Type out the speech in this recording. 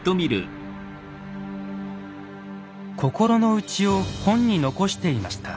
心の内を本に残していました。